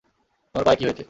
তোমার পায়ে কী হয়েছে?